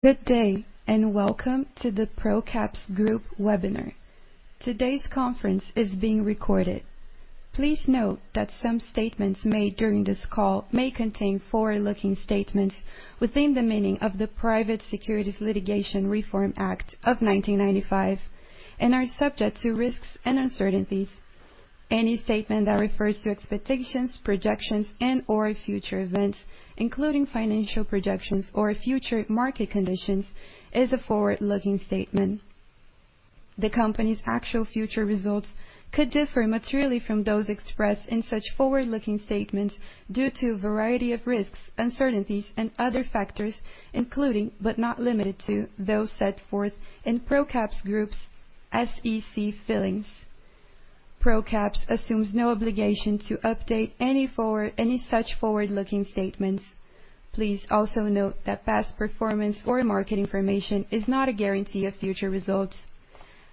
Good day, and welcome to the Procaps Group webinar. Today's conference is being recorded. Please note that some statements made during this call may contain forward-looking statements within the meaning of the Private Securities Litigation Reform Act of 1995, and are subject to risks and uncertainties. Any statement that refers to expectations, projections, and/or future events, including financial projections or future market conditions, is a forward-looking statement. The company's actual future results could differ materially from those expressed in such forward-looking statements due to a variety of risks, uncertainties, and other factors, including, but not limited to, those set forth in Procaps Group's SEC filings. Procaps assumes no obligation to update any such forward-looking statements. Please also note that past performance or market information is not a guarantee of future results.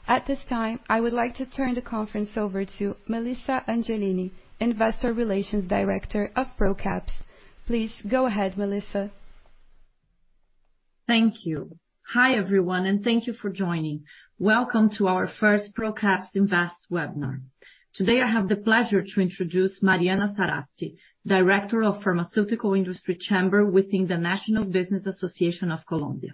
At this time, I would like to turn the conference over to Melissa Angelini, Investor Relations Director of Procaps. Please go ahead, Melissa. Thank you. Hi, everyone, and thank you for joining. Welcome to our first Procaps Invest webinar. Today, I have the pleasure to introduce Mariana Sarasti, Director of Pharmaceutical Industry Chamber within the National Business Association of Colombia.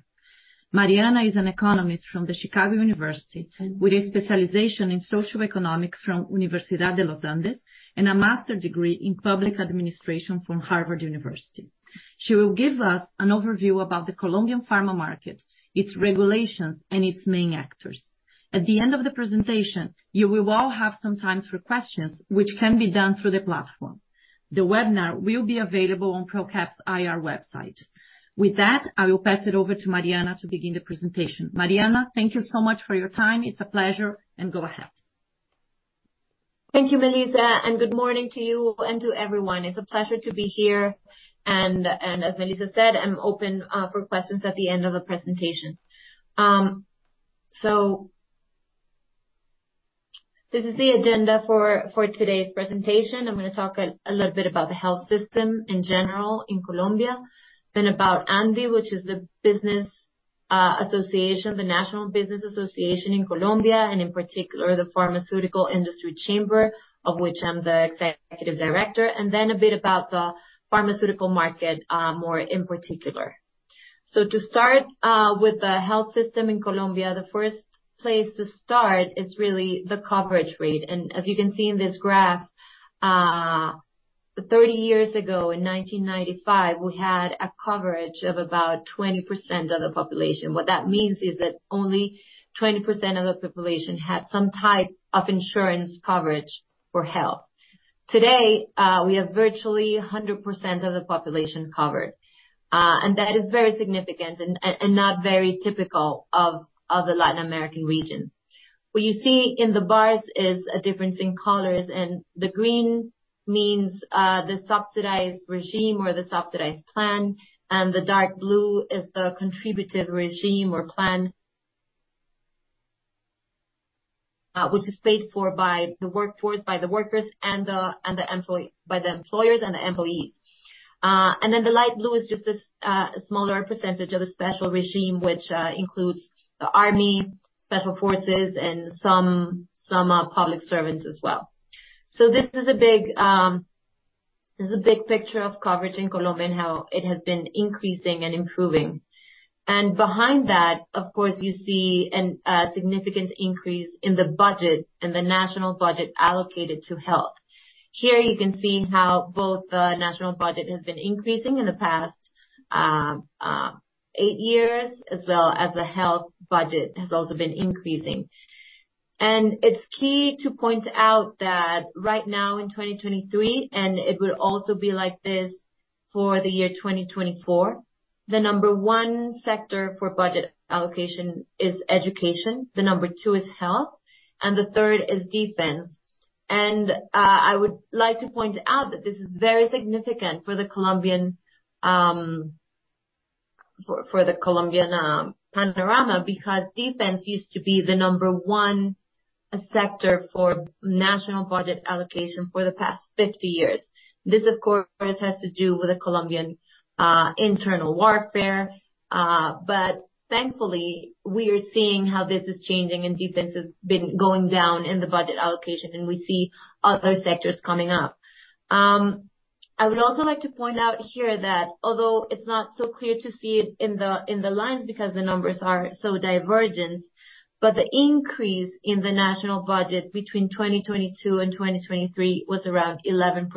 Mariana is an economist from The University of Chicago, with a specialization in socioeconomics from Universidad de los Andes, and a master's degree in public administration from Harvard University. She will give us an overview about the Colombian pharma market, its regulations, and its main actors. At the end of the presentation, you will all have some time for questions, which can be done through the platform. The webinar will be available on Procaps IR website. With that, I will pass it over to Mariana to begin the presentation. Mariana, thank you so much for your time. It's a pleasure, and go ahead. Thank you, Melissa, and good morning to you and to everyone. It's a pleasure to be here, and as Melissa said, I'm open for questions at the end of the presentation. So this is the agenda for today's presentation. I'm gonna talk a little bit about the health system in general in Colombia, then about ANDI, which is the business association, the National Business Association of Colombia, and in particular, the Pharmaceutical Industry Chamber, of which I'm the Executive Director, and then a bit about the pharmaceutical market more in particular. To start with the health system in Colombia, the first place to start is really the coverage rate. And as you can see in this graph, 30 years ago, in 1995, we had a coverage of about 20% of the population. What that means is that only 20% of the population had some type of insurance coverage for health. Today, we have virtually 100% of the population covered, and that is very significant and not very typical of the Latin American region. What you see in the bars is a difference in colors, and the green means the subsidized regime or the subsidized plan, and the dark blue is the contributive regime or plan, which is paid for by the workforce, by the workers and the employers and the employees. And then the light blue is just a smaller percentage of a special regime, which includes the army, special forces, and some public servants as well. So this is a big, this is a big picture of coverage in Colombia and how it has been increasing and improving. Behind that, of course, you see a significant increase in the budget, in the national budget allocated to health. Here you can see how both the national budget has been increasing in the past eight years, as well as the health budget has also been increasing. It's key to point out that right now in 2023, and it will also be like this for the year 2024, the number one sector for budget allocation is education, the numbe rtwo is health, and the third is defense. I would like to point out that this is very significant for the Colombian panorama, because defense used to be the number one sector for national budget allocation for the past 50 years. This, of course, has to do with the Colombian internal warfare, but thankfully, we are seeing how this is changing, and defense has been going down in the budget allocation, and we see other sectors coming up. I would also like to point out here that although it's not so clear to see it in the lines, because the numbers are so divergent, but the increase in the national budget between 2022 and 2023 was around 11%,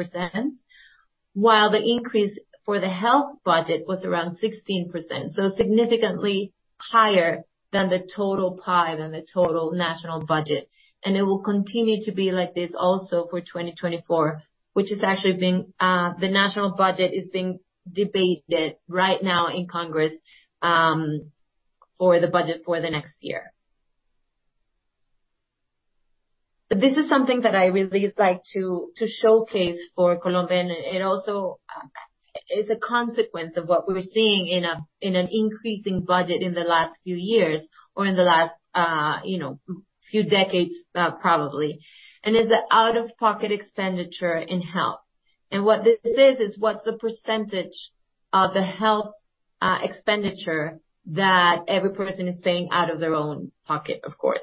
while the increase for the health budget was around 16%, so significantly higher than the total pie, than the total national budget. It will continue to be like this also for 2024, which is actually being the national budget is being debated right now in Congress, for the budget for the next year. But this is something that I really like to, to showcase for Colombia, and it also is a consequence of what we were seeing in a, in an increasing budget in the last few years or in the last, you know, few decades, probably, and it's the out-of-pocket expenditure in health. And what this is, is what's the percentage of the health, expenditure that every person is paying out of their own pocket, of course.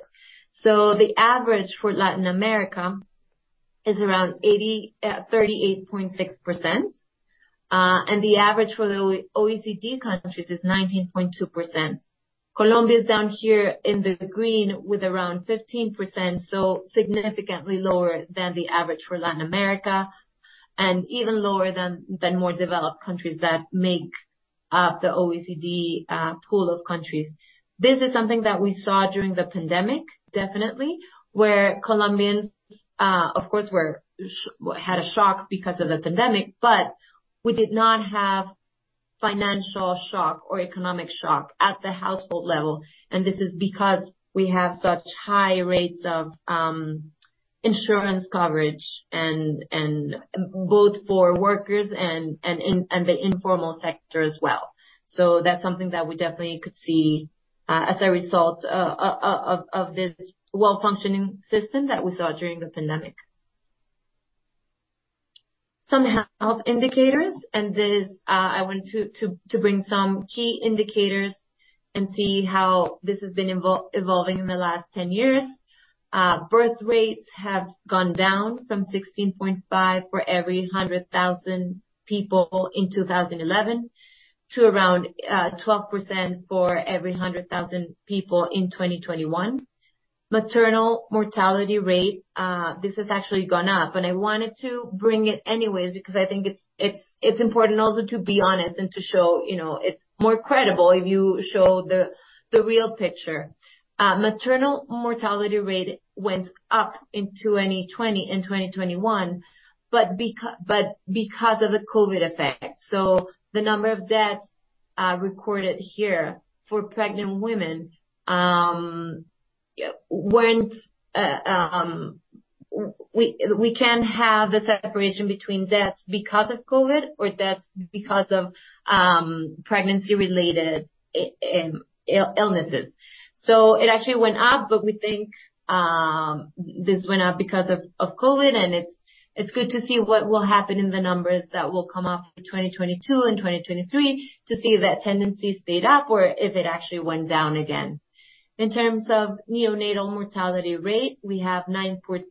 So the average for Latin America is around 38.6%. And the average for the OECD countries is 19.2%. Colombia is down here in the green with around 15%, so significantly lower than the average for Latin America, and even lower than more developed countries that make up the OECD pool of countries. This is something that we saw during the pandemic, definitely, where Colombians, of course, had a shock because of the pandemic, but we did not have financial shock or economic shock at the household level. This is because we have such high rates of insurance coverage and both for workers and in the informal sector as well. That's something that we definitely could see as a result of this well-functioning system that we saw during the pandemic. Some health indicators, and this, I want to bring some key indicators and see how this has been evolving in the last 10 years. Birth rates have gone down from 16.5 for every 100,000 people in 2011, to around 12% for every 100,000 people in 2021. Maternal mortality rate, this has actually gone up, and I wanted to bring it anyways because I think it's important also to be honest, and to show, you know, it's more credible if you show the real picture. Maternal mortality rate went up in 2020 and 2021, but because of the COVID effect. So the number of deaths recorded here for pregnant women weren't. We can't have the separation between deaths because of COVID or deaths because of pregnancy-related illnesses. It actually went up, but we think this went up because of COVID, and it's good to see what will happen in the numbers that will come up for 2022 and 2023, to see if that tendency stayed up or if it actually went down again. In terms of neonatal mortality rate, we have 9.6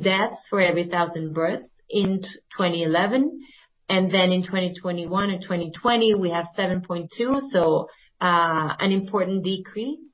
deaths for every 1,000 births in 2011. In 2021 and 2020, we have 7.2, so an important decrease.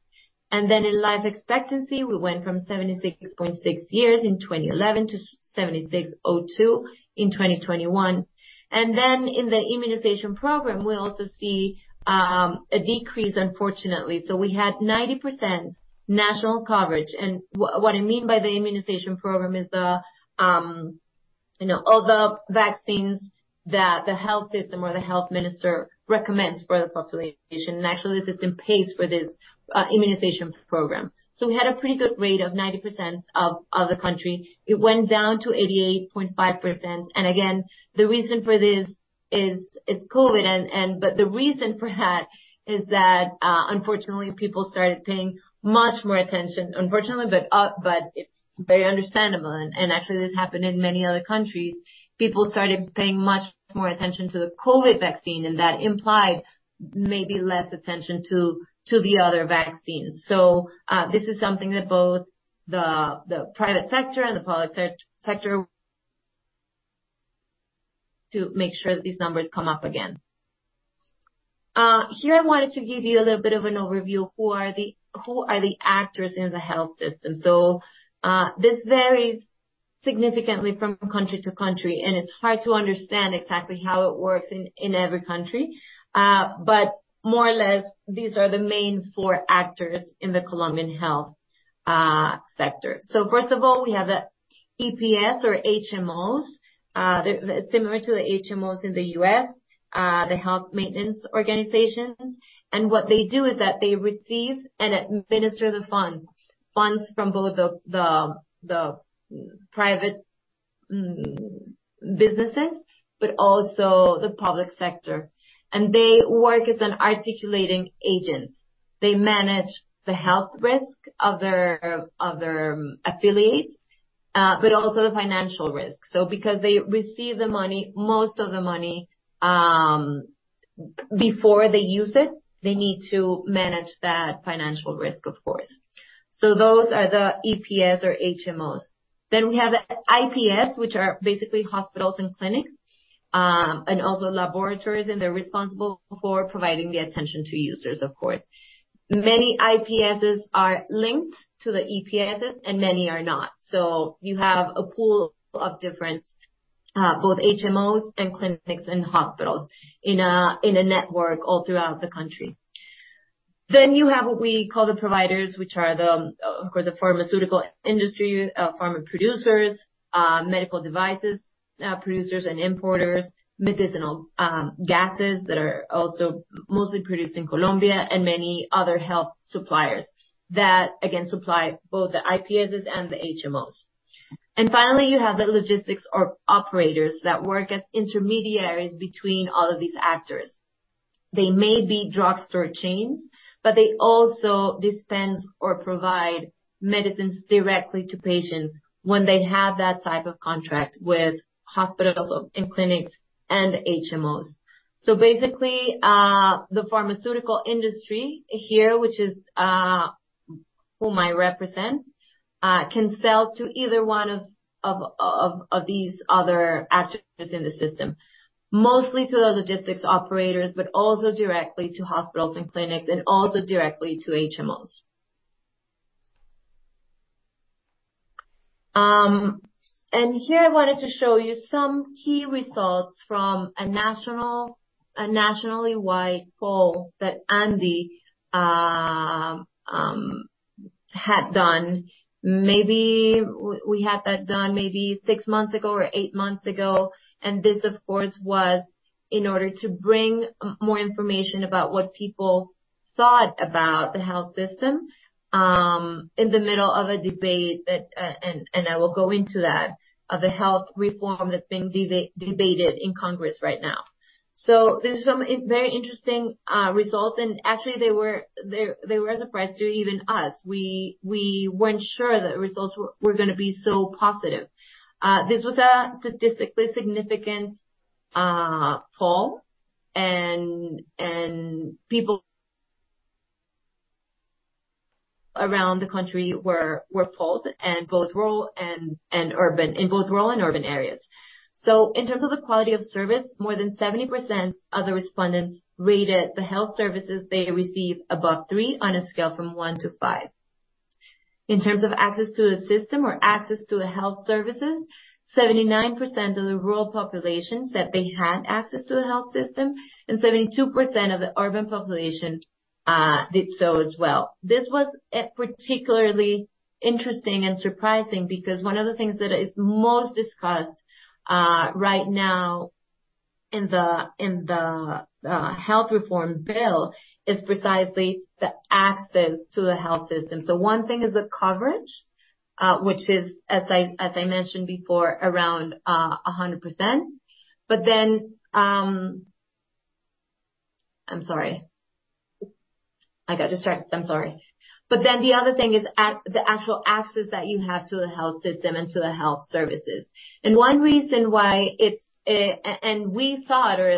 In life expectancy, we went from 76.6 years in 2011 to 76.02 in 2021. In the immunization program, we also see a decrease, unfortunately. So we had 90% national coverage. And what I mean by the immunization program is the, you know, all the vaccines that the health system or the health minister recommends for the population, national system pays for this immunization program. So we had a pretty good rate of 90% of the country. It went down to 88.5%. And again, the reason for this is COVID. And, but the reason for that is that, unfortunately, people started paying much more attention, unfortunately, but it's very understandable. And actually, this happened in many other countries. People started paying much more attention to the COVID vaccine, and that implied maybe less attention to the other vaccines. So, this is something that both the private sector and the public sector, to make sure that these numbers come up again. Here, I wanted to give you a little bit of an overview. Who are the actors in the health system? So, this varies significantly from country to country, and it's hard to understand exactly how it works in every country. But more or less, these are the main four actors in the Colombian health sector. So first of all, we have the EPS or HMOs. They're similar to the HMOs in the U.S., the health maintenance organizations. And what they do is that they receive and administer the funds. Funds from both the private businesses, but also the public sector. And they work as an articulating agent. They manage the health risk of their, of their affiliates, but also the financial risk. So because they receive the money, most of the money, before they use it, they need to manage that financial risk, of course. So those are the EPS or HMOs. Then we have the IPS, which are basically hospitals and clinics, and also laboratories, and they're responsible for providing the attention to users, of course. Many IPSs are linked to the EPSs and many are not. So you have a pool of different, both HMOs and clinics and hospitals in a, in a network all throughout the country. You have what we call the providers, which are the pharmaceutical industry, pharma producers, medical devices, producers and importers, medicinal gases, that are also mostly produced in Colombia, and many other health suppliers that, again, supply both the IPSs and the HMOs. Finally, you have the logistics operators that work as intermediaries between all of these actors. They may be drugstore chains, but they also dispense or provide medicines directly to patients when they have that type of contract with hospitals and clinics and HMOs. Basically, the pharmaceutical industry here, which is whom I represent, can sell to either one of these other actors in the system. Mostly to the logistics operators, but also directly to hospitals and clinics, and also directly to HMOs. And here I wanted to show you some key results from a nationally wide poll that ANDI had done. Maybe we had that done maybe six months ago or eight months ago. This, of course, was in order to bring more information about what people thought about the health system, in the middle of a debate that, and I will go into that, of the health reform that's being debated in Congress right now. So there's some very interesting results, and actually, they were a surprise to even us. We weren't sure the results were gonna be so positive. This was a statistically significant poll, and people around the country were polled, and both rural and urban in both rural and urban areas. So in terms of the quality of service, more than 70% of the respondents rated the health services they receive above 3, on a scale from 1 to 5. In terms of access to the system or access to the health services, 79% of the rural populations said they had access to the health system, and 72% of the urban population did so as well. This was particularly interesting and surprising because one of the things that is most discussed right now in the health reform bill is precisely the access to the health system. So one thing is the coverage, which is, as I mentioned before, around 100%. But then, I'm sorry. I got distracted. I'm sorry. But then the other thing is the actual access that you have to the health system and to the health services. And one reason why it's. And we thought, or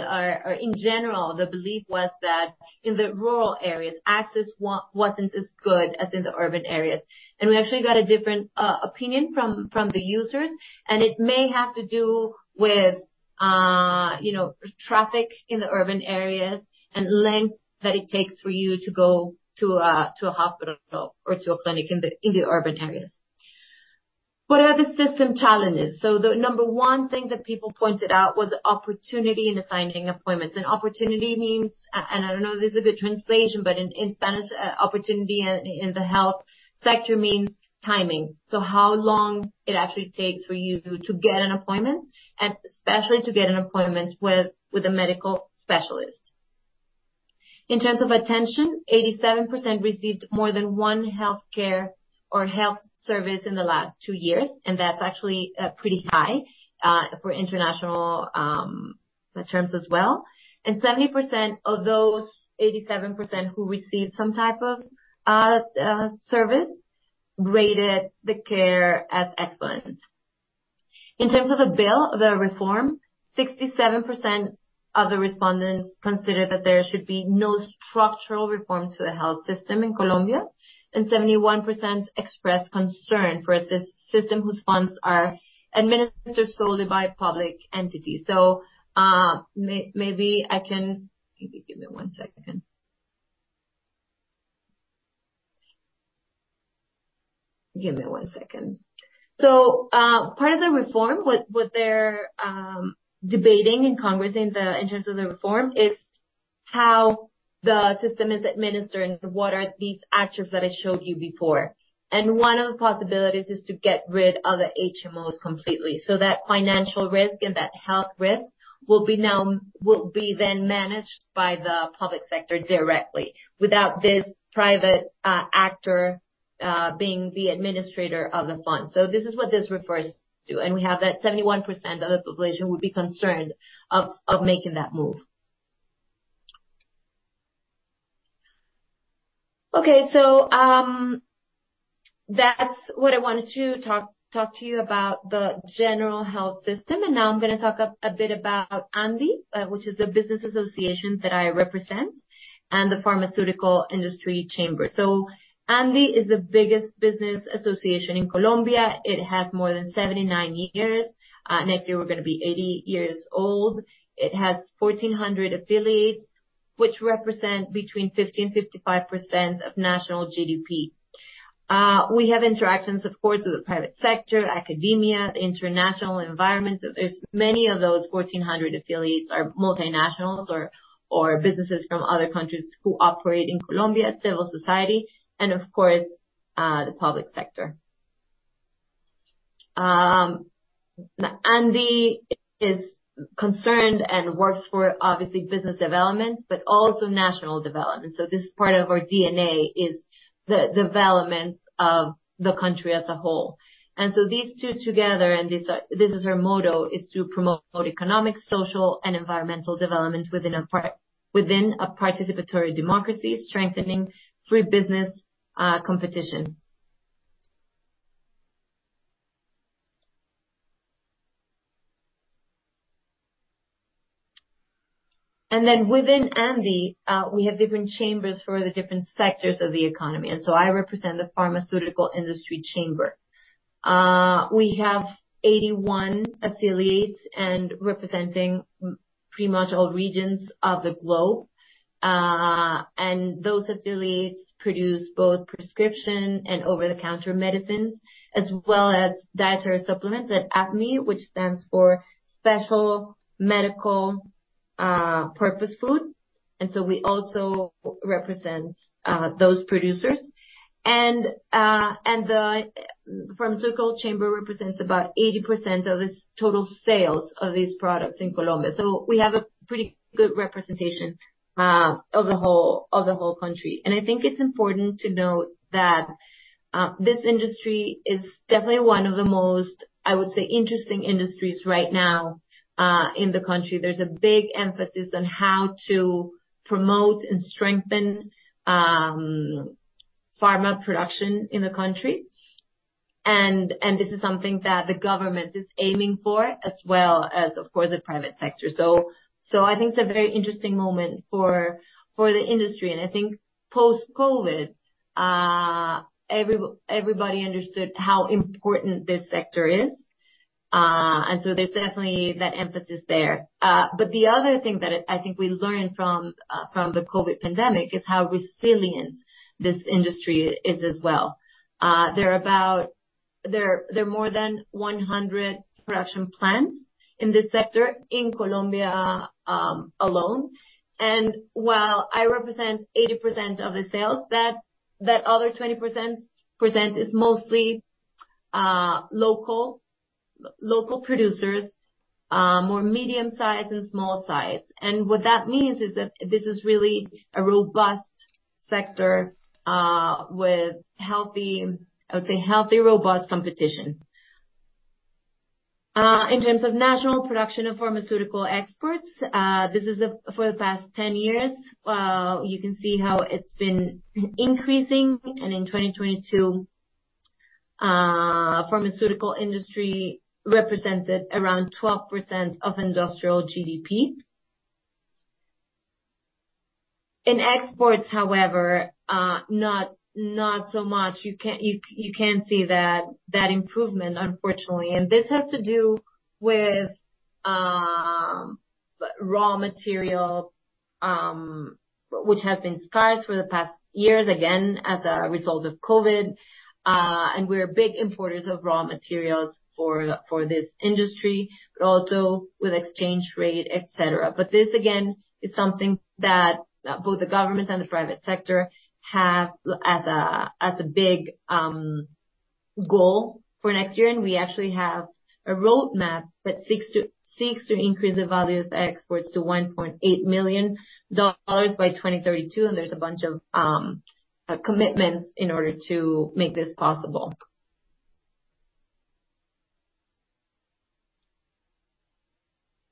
in general, the belief was that in the rural areas, access wasn't as good as in the urban areas. And we actually got a different opinion from the users, and it may have to do with, you know, traffic in the urban areas and length that it takes for you to go to a hospital or to a clinic in the urban areas. What are the system challenges? So the number one thing that people pointed out was opportunity in finding appointments. Opportunity means, and I don't know this is a good translation, but in Spanish, opportunity in the health sector means timing. So how long it actually takes for you to get an appointment, and especially to get an appointment with a medical specialist. In terms of attention, 87% received more than one healthcare or health service in the last 2 years, and that's actually pretty high for international terms as well. And 70% of those 87% who received some type of service rated the care as excellent. In terms of the bill, the reform, 67% of the respondents considered that there should be no structural reform to the health system in Colombia, and 71% expressed concern for a system whose funds are administered solely by public entities. So maybe I can... Give me one second. So, part of the reform, what they're debating in Congress in terms of the reform, is how the system is administered and what are these actors that I showed you before. And one of the possibilities is to get rid of the HMOs completely, so that financial risk and that health risk will be now- will be then managed by the public sector directly, without this private actor being the administrator of the fund. So this is what this refers to. And we have that 71% of the population would be concerned of making that move. Okay, so, that's what I wanted to talk to you about the general health system. Now I'm gonna talk a bit about ANDI, which is a business association that I represent, and the Pharmaceutical Industry Chamber. ANDI is the biggest business association in Colombia. It has more than 79 years. Next year, we're gonna be 80 years old. It has 1,400 affiliates, which represent between 50%-55% of national GDP. We have interactions, of course, with the private sector, academia, international environment. There are many of those 1,400 affiliates that are multinationals or businesses from other countries who operate in Colombia, civil society, and of course, the public sector. ANDI is concerned and works for, obviously, business development, but also national development. This is part of our DNA, is the development of the country as a whole. These two together, and this is our motto: to promote economic, social, and environmental development within a participatory democracy, strengthening free business competition. And then within ANDI, we have different chambers for the different sectors of the economy, and so I represent the Pharmaceutical Industry Chamber. We have 81 affiliates, representing pretty much all regions of the globe. And those affiliates produce both prescription and over-the-counter medicines, as well as dietary supplements, and APME, which stands for Special Medical Purpose Food. And so we also represent those producers. And the Pharmaceutical Chamber represents about 80% of its total sales of these products in Colombia. So we have a pretty good representation of the whole country. And I think it's important to note that, this industry is definitely one of the most, I would say, interesting industries right now, in the country. There's a big emphasis on how to promote and strengthen, pharma production in the country. And this is something that the government is aiming for, as well as, of course, the private sector. So I think it's a very interesting moment for the industry. And I think post-COVID, everybody understood how important this sector is. And so there's definitely that emphasis there. But the other thing that I think we learned from the COVID pandemic, is how resilient this industry is as well. There are more than 100 production plants in this sector, in Colombia, alone. While I represent 80% of the sales, that other 20% is mostly local producers, more medium-sized and small-sized. What that means is that this is really a robust sector, with healthy, I would say, healthy, robust competition. In terms of national production of pharmaceutical exports, this is the... For the past 10 years, you can see how it's been increasing. In 2022, the pharmaceutical industry represented around 12% of industrial GDP. In exports, however, not so much. You can't see that improvement, unfortunately. This has to do with raw material, which have been scarce for the past years, again, as a result of COVID. We're big importers of raw materials for this industry, but also with exchange rate, et cetera. But this, again, is something that both the government and the private sector have as a big goal for next year. And we actually have a roadmap that seeks to increase the value of the exports to $1.8 million by 2032, and there's a bunch of commitments in order to make this possible.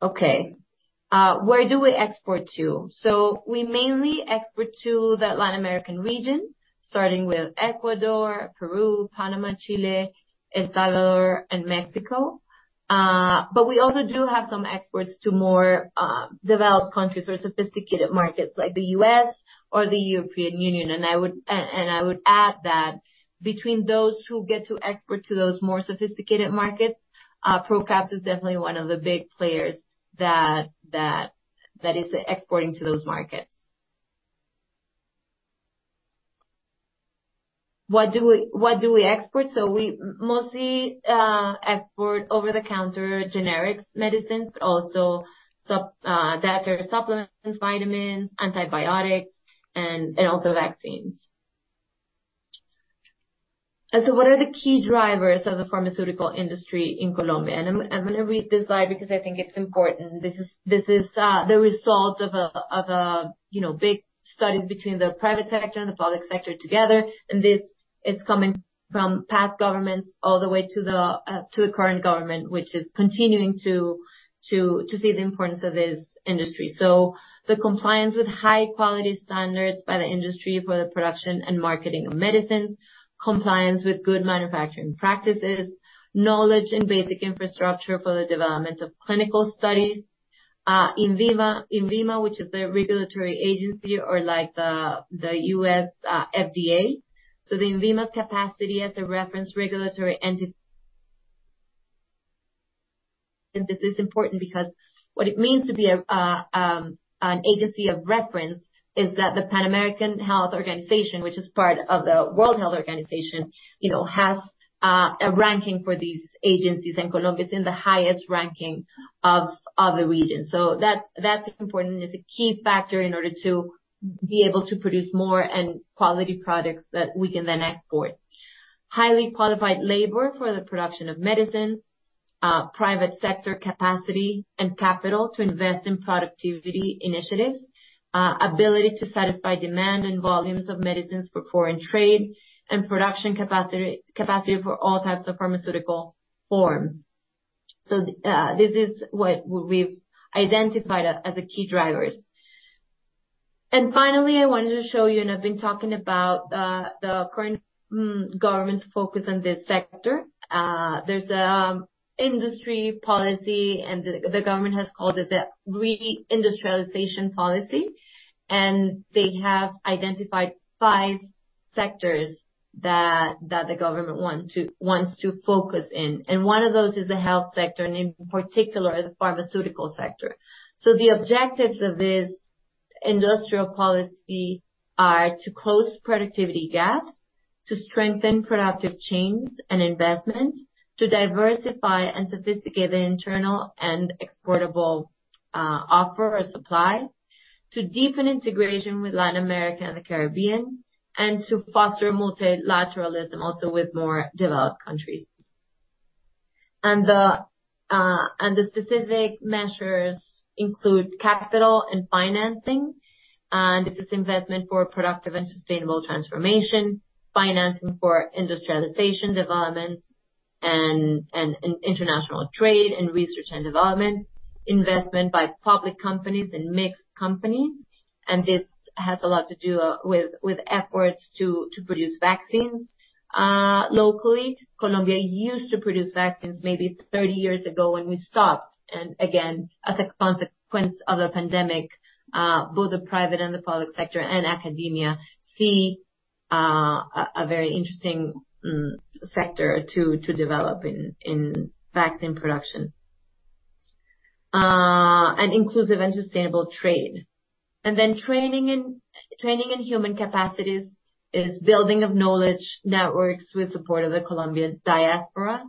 Okay, where do we export to? So we mainly export to the Latin American region, starting with Ecuador, Peru, Panama, Chile, El Salvador, and Mexico. But we also do have some exports to more developed countries or sophisticated markets like the U.S. or the European Union. And I would add that between those who get to export to those more sophisticated markets, Procaps is definitely one of the big players that is exporting to those markets. What do we, what do we export? We mostly export over-the-counter generics medicines, but also dietary supplements, vitamins, antibiotics, and also vaccines. What are the key drivers of the pharmaceutical industry in Colombia? I'm gonna read this slide because I think it's important. This is the result of a, you know, big studies between the private sector and the public sector together, and this is coming from past governments all the way to the current government, which is continuing to see the importance of this industry. The compliance with high quality standards by the industry for the production and marketing of medicines, compliance with good manufacturing practices, knowledge and basic infrastructure for the development of clinical studies. INVIMA, which is the regulatory agency or like the, the U.S. FDA. So the INVIMA's capacity as a reference regulatory entity... And this is important because what it means to be a, an agency of reference, is that the Pan American Health Organization, which is part of the World Health Organization, you know, has a ranking for these agencies, and Colombia is in the highest ranking of the region. So that's important, and it's a key factor in order to be able to produce more and quality products that we can then export. Highly qualified labor for the production of medicines, private sector capacity and capital to invest in productivity initiatives, ability to satisfy demand and volumes of medicines for foreign trade and production capacity for all types of pharmaceutical forms. This is what we've identified as the key drivers. Finally, I wanted to show you, and I've been talking about, the current government's focus on this sector. There's industry policy, and the government has called it the re-industrialization policy. They have identified five sectors that the government wants to focus in, and one of those is the health sector, and in particular, the pharmaceutical sector. The objectives of this industrial policy are to close productivity gaps, to strengthen productive chains and investment, to diversify and sophisticate the internal and exportable offer or supply, to deepen integration with Latin America and the Caribbean, and to foster multilateralism also with more developed countries. And the specific measures include capital and financing, and this is investment for productive and sustainable transformation, financing for industrialization development and international trade and research and development, investment by public companies and mixed companies, and this has a lot to do with efforts to produce vaccines locally. Colombia used to produce vaccines maybe 30 years ago, and we stopped. And again, as a consequence of the pandemic, both the private and the public sector and academia see a very interesting sector to develop in vaccine production. And inclusive and sustainable trade. And then training in human capacities is building of knowledge networks with support of the Colombian diaspora,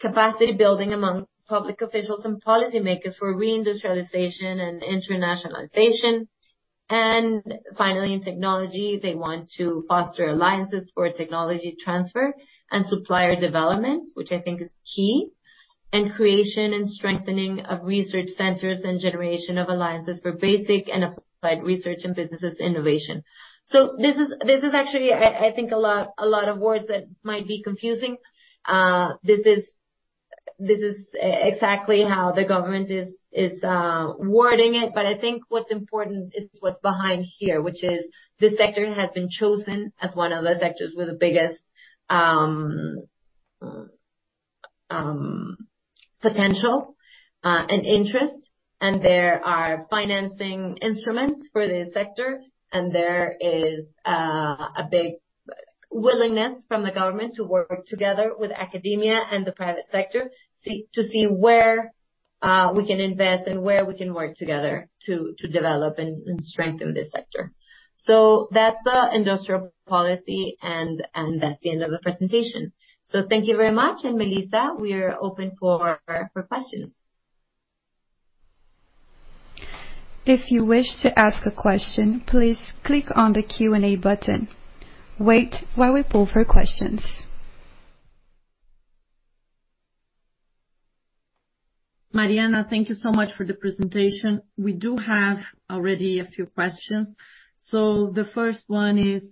capacity building among public officials and policymakers for reindustrialization and internationalization. And finally, in technology, they want to foster alliances for technology transfer and supplier development, which I think is key, and creation and strengthening of research centers and generation of alliances for basic and applied research and businesses innovation. So this is actually, I think, a lot, a lot of words that might be confusing. This is exactly how the government is wording it, but I think what's important is what's behind here, which is this sector has been chosen as one of the sectors with the biggest potential and interest. And there are financing instruments for this sector, and there is a big willingness from the government to work together with academia and the private sector, to see where we can invest and where we can work together to develop and strengthen this sector. So that's the industrial policy, and that's the end of the presentation. So thank you very much, and Melissa, we are open for questions. If you wish to ask a question, please click on the Q&A button. Wait while we poll for questions. Mariana, thank you so much for the presentation. We do have already a few questions. So the first one is: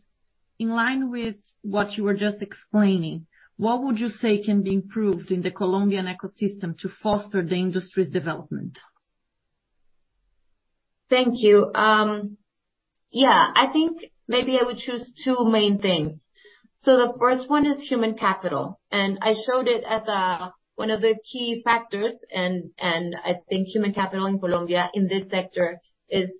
in line with what you were just explaining, what would you say can be improved in the Colombian ecosystem to foster the industry's development? Thank you. Yeah, I think maybe I would choose two main things. So the first one is human capital, and I showed it as one of the key factors. And I think human capital in Colombia, in this sector, is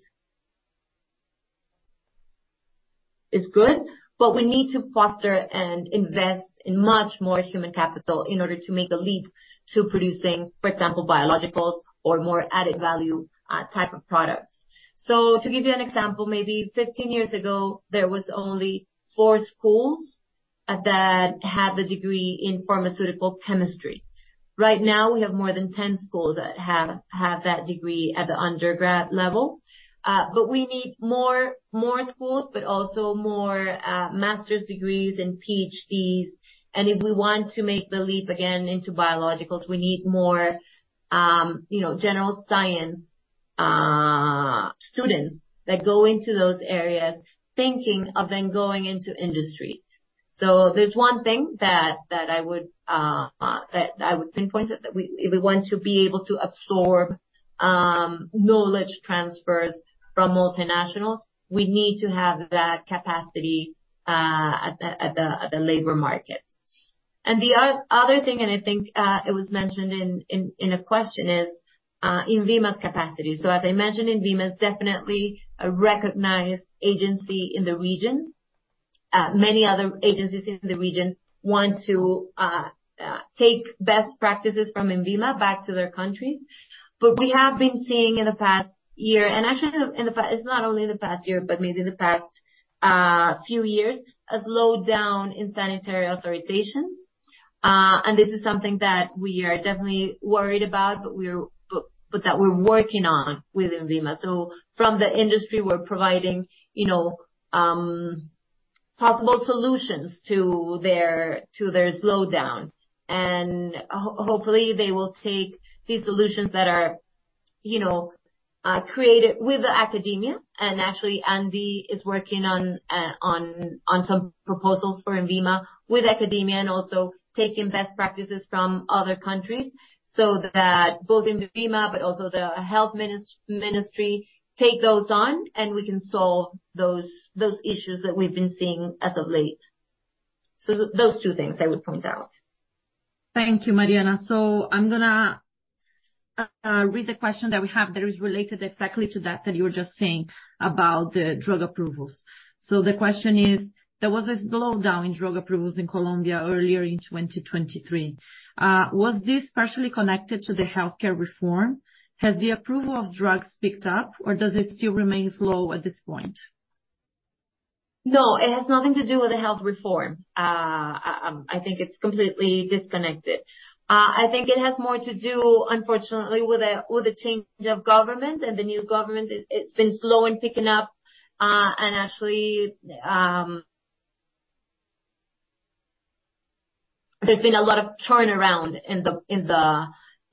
good, but we need to foster and invest in much more human capital in order to make a leap to producing, for example, biologicals or more added value type of products. So to give you an example, maybe 15 years ago, there was only four schools that had a degree in pharmaceutical chemistry. Right now, we have more than 10 schools that have that degree at the undergrad level. But we need more schools, but also more master's degrees and PhDs. And if we want to make the leap again into biologicals, we need more, you know, general science students that go into those areas thinking of then going into industry. So there's one thing that I would pinpoint, that we—if we want to be able to absorb knowledge transfers from multinationals, we need to have that capacity at the labor market. And the other thing, and I think it was mentioned in a question, is INVIMA's capacity. So as I mentioned, INVIMA is definitely a recognized agency in the region. Many other agencies in the region want to take best practices from INVIMA back to their countries. But we have been seeing in the past year, and actually it's not only in the past year, but maybe the past few years, a slowdown in sanitary authorizations. And this is something that we are definitely worried about, but that we're working on with INVIMA. So from the industry, we're providing, you know, possible solutions to their slowdown. And hopefully, they will take these solutions that are, you know, created with the academia. And actually, ANDI is working on some proposals for INVIMA, with academia and also taking best practices from other countries, so that both INVIMA, but also the Health Ministry, take those on, and we can solve those issues that we've been seeing as of late. So those two things I would point out. Thank you, Mariana. So I'm gonna read the question that we have that is related exactly to that, that you were just saying about the drug approvals. So the question is: There was a slowdown in drug approvals in Colombia earlier in 2023. Was this partially connected to the healthcare reform? Has the approval of drugs picked up, or does it still remain slow at this point? No, it has nothing to do with the health reform. I think it's completely disconnected. I think it has more to do, unfortunately, with the change of government and the new government. It's been slow in picking up, and actually, there's been a lot of turnaround in the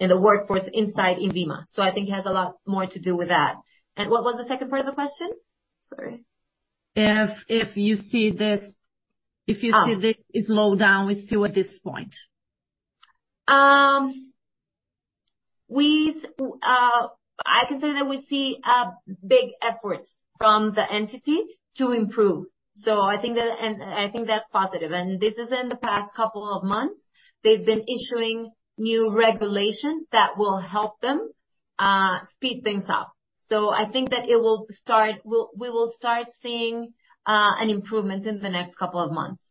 workforce inside INVIMA. So I think it has a lot more to do with that. And what was the second part of the question? Sorry. If you see this. Ah. This slowdown still at this point? I can say that we see big efforts from the entity to improve. So I think that, and I think that's positive. And this is in the past couple of months, they've been issuing new regulations that will help them speed things up. So I think that we will start seeing an improvement in the next couple of months.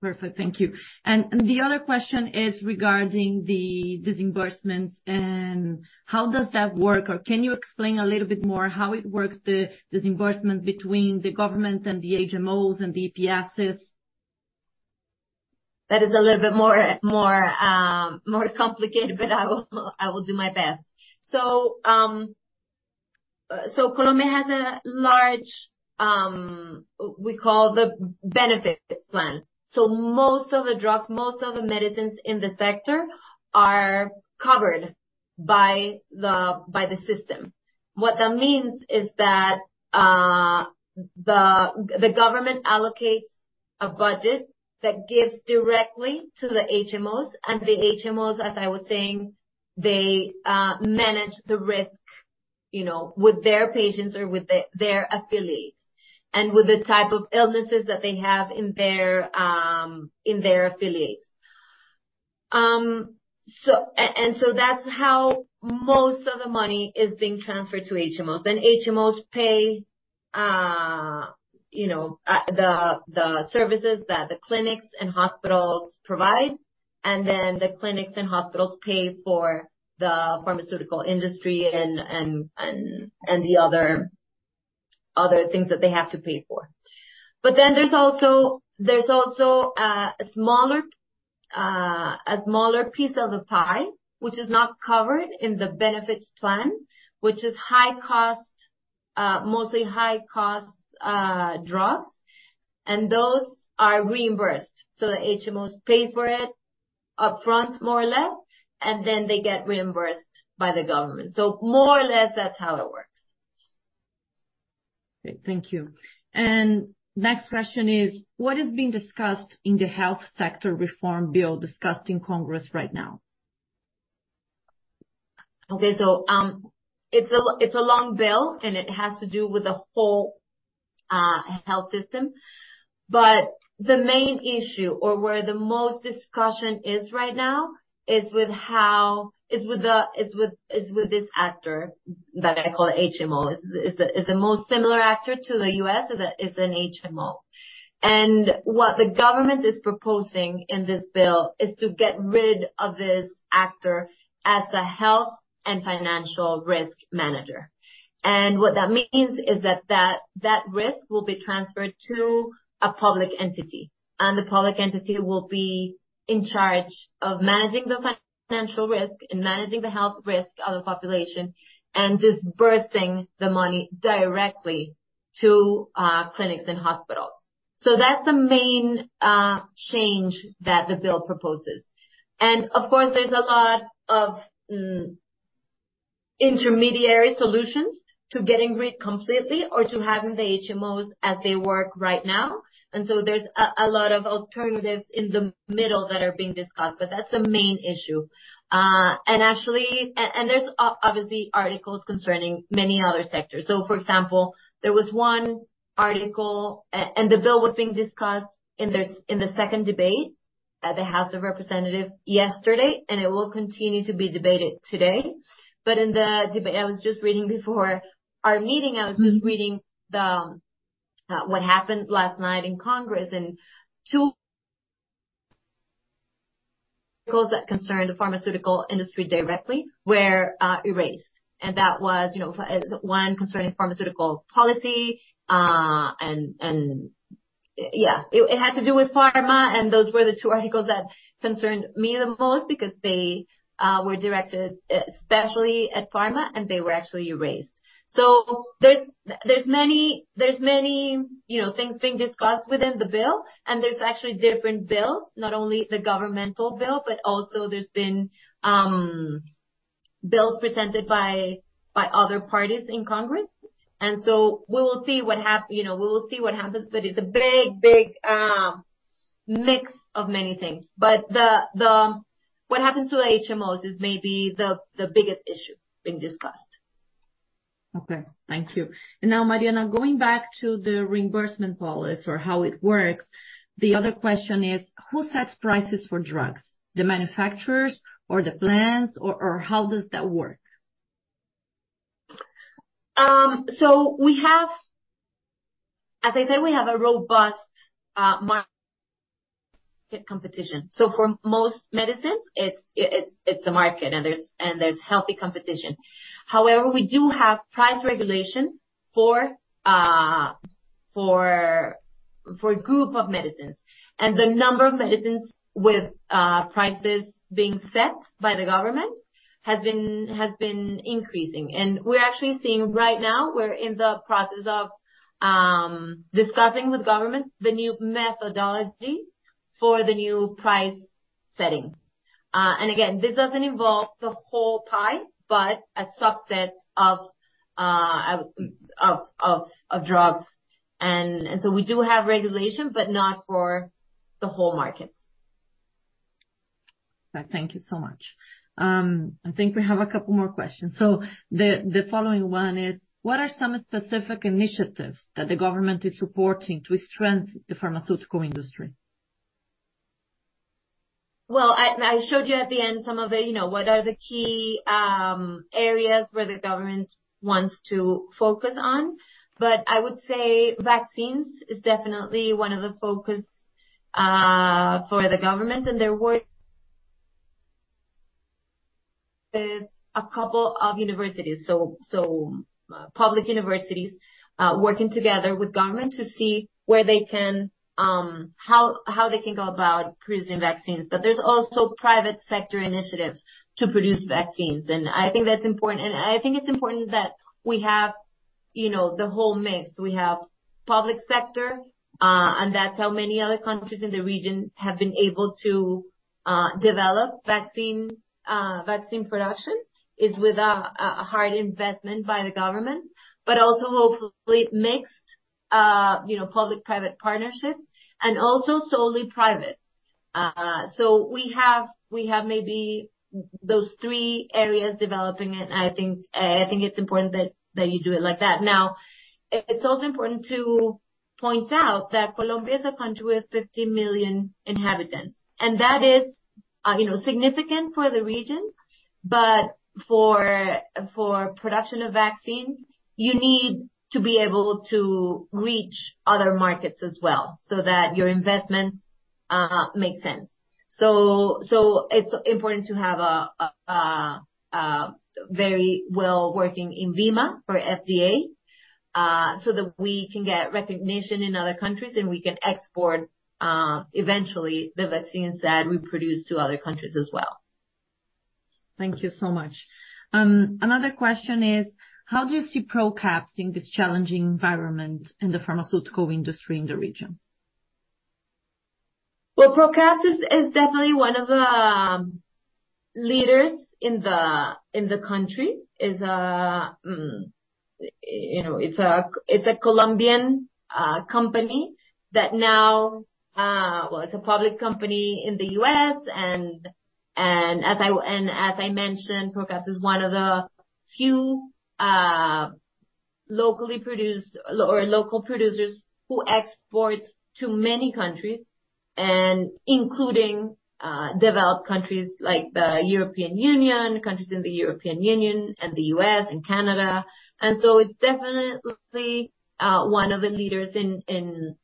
Perfect. Thank you. The other question is regarding the disbursements and how does that work? Or can you explain a little bit more how it works, the disbursement between the government and the HMOs and the EPSs? That is a little bit more complicated, but I will do my best. So, Colombia has a large, we call the benefits plan. So most of the drugs, most of the medicines in the sector are covered by the system. What that means is that the government allocates a budget that gives directly to the HMOs, and the HMOs, as I was saying, they manage the risk, you know, with their patients or with their affiliates, and with the type of illnesses that they have in their affiliates. So that's how most of the money is being transferred to HMOs. Then HMOs pay, you know, the services that the clinics and hospitals provide, and then the clinics and hospitals pay for the pharmaceutical industry and the other things that they have to pay for. But then there's also a smaller piece of the pie, which is not covered in the benefits plan, which is high cost, mostly high-cost drugs, and those are reimbursed. So the HMOs pay for it upfront, more or less, and then they get reimbursed by the government. So more or less, that's how it works. Great. Thank you. Next question is: What is being discussed in the health sector reform bill discussed in Congress right now? Okay. So, it's a long bill, and it has to do with the whole health system. But the main issue or where the most discussion is right now is with how is with this actor that I call HMO. Is the most similar actor to the U.S., so that is an HMO. And what the government is proposing in this bill is to get rid of this actor as a health and financial risk manager. And what that means is that risk will be transferred to a public entity, and the public entity will be in charge of managing the financial risk and managing the health risk of the population, and disbursing the money directly to clinics and hospitals. So that's the main change that the bill proposes. And of course, there's a lot of intermediary solutions to getting rid completely or to having the HMOs as they work right now. And so there's a lot of alternatives in the middle that are being discussed, but that's the main issue. And actually, and there's obviously articles concerning many other sectors. So, for example, there was one article, and the bill was being discussed in this, in the second debate at the House of Representatives yesterday, and it will continue to be debated today. But in the debate... I was just reading before our meeting. I was just reading the what happened last night in Congress, and two articles that concerned the pharmaceutical industry directly were erased, and that was, you know, one concerning pharmaceutical policy, and yeah, it had to do with pharma, and those were the two articles that concerned me the most because they were directed especially at pharma, and they were actually erased. So there's many, you know, things being discussed within the bill, and there's actually different bills, not only the governmental bill, but also there's been bills presented by other parties in Congress. And so we will see what you know, we will see what happens, but it's a big, big mix of many things. But what happens to the HMOs is maybe the biggest issue being discussed. ... Okay, thank you. And now, Mariana, going back to the reimbursement policy or how it works, the other question is: who sets prices for drugs? The manufacturers or the plans, or, or how does that work? So we have—as I said, we have a robust market competition. So for most medicines, it's the market, and there's healthy competition. However, we do have price regulation for a group of medicines. And the number of medicines with prices being set by the government has been increasing. And we're actually seeing right now, we're in the process of discussing with government, the new methodology for the new price setting. And again, this doesn't involve the whole pie, but a subset of drugs. And so we do have regulation, but not for the whole market. Thank you so much. I think we have a couple more questions. So the following one is: what are some specific initiatives that the government is supporting to strengthen the pharmaceutical industry? Well, I showed you at the end some of the, you know, what are the key areas where the government wants to focus on. But I would say vaccines is definitely one of the focus for the government. And they're working with a couple of universities. So, public universities, working together with government to see where they can, how they can go about producing vaccines. But there's also private sector initiatives to produce vaccines, and I think that's important. And I think it's important that we have, you know, the whole mix. We have public sector, and that's how many other countries in the region have been able to, develop vaccine. Vaccine production is with a hard investment by the government, but also hopefully mixed, you know, public-private partnerships and also solely private. So we have maybe those three areas developing, and I think, I think it's important that that you do it like that. Now, it's also important to point out that Colombia is a country with 50 million inhabitants, and that is, you know, significant for the region. But for production of vaccines, you need to be able to reach other markets as well, so that your investment makes sense. So it's important to have a very well working INVIMA or FDA, so that we can get recognition in other countries, and we can export, eventually, the vaccines that we produce to other countries as well. Thank you so much. Another question is: how do you see Procaps in this challenging environment, in the pharmaceutical industry in the region? Well, Procaps is definitely one of the leaders in the country. It is a, you know, it's a Colombian company that now. Well, it's a public company in the U.S. And as I mentioned, Procaps is one of the few locally produced or local producers who exports to many countries, and including developed countries like the European Union, countries in the European Union and the U.S., and Canada. And so it's definitely one of the leaders in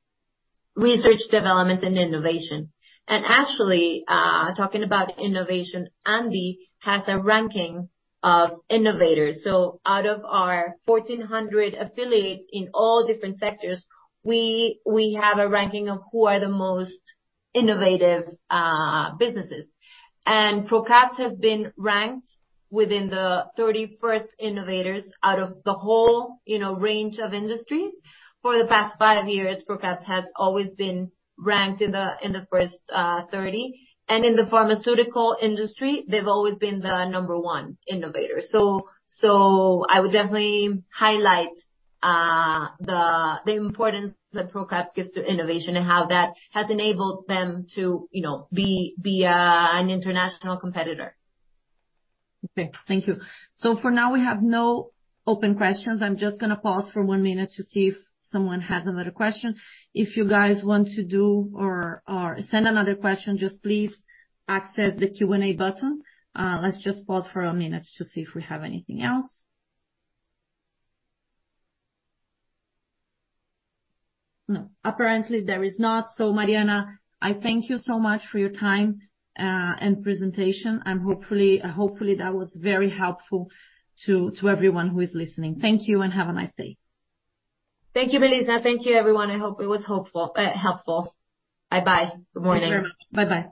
research, development, and innovation. And actually, talking about innovation, ANDI has a ranking of innovators. So out of our 1,400 affiliates in all different sectors, we have a ranking of who are the most innovative businesses. Procaps has been ranked within the 31st innovators out of the whole, you know, range of industries. For the past 5 years, Procaps has always been ranked in the first, 30. In the pharmaceutical industry, they've always been the number one innovator. So, I would definitely highlight the importance that Procaps gives to innovation, and how that has enabled them to, you know, be an international competitor. Okay, thank you. So for now, we have no open questions. I'm just gonna pause for one minute to see if someone has another question. If you guys want to do or, or send another question, just please access the Q&A button. Let's just pause for a minute to see if we have anything else. No, apparently there is not. So, Mariana, I thank you so much for your time, and presentation. And hopefully, hopefully, that was very helpful to, to everyone who is listening. Thank you, and have a nice day. Thank you, Melissa. Thank you, everyone. I hope it was hopeful, helpful. Bye-bye. Good morning. Thank you very much. Bye-bye.